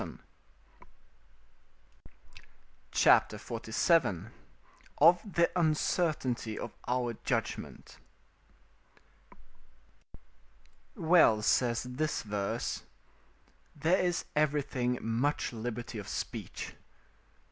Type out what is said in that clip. ] CHAPTER XLVII OF THE UNCERTAINTY OF OUR JUDGMENT Well says this verse: ["There is everywhere much liberty of speech."